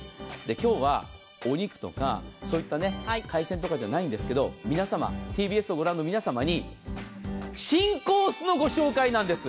今日はお肉とかそういった海鮮とかじゃないんですけど、ＴＢＳをご覧の皆様に新コースのお知らせなんです。